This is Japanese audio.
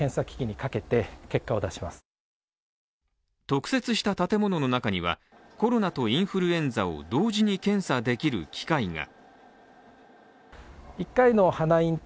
特設した建物の中には、コロナとインフルエンザを同時に検査できる機械が。